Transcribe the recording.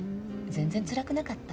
全然つらくなかった。